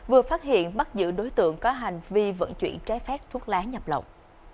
vừa phát hiện bắt giữ đối tượng có hành vi vận chuyển trái phép thuốc lá nhập lộng